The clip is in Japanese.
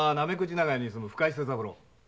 長屋に住む深井清三郎。